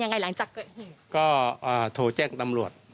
อังรักทุกไปนะครับ